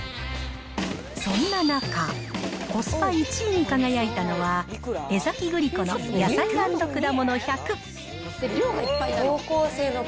そんな中、コスパ１位に輝いたのは、江崎グリコの野菜＆くだもの１００。